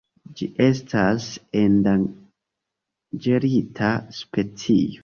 Ĝi estas endanĝerita specio.